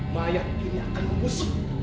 mayat ini akan membusuk